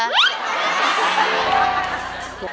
แหละ